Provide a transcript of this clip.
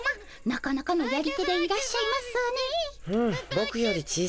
なかなかのやり手でいらっしゃいますね。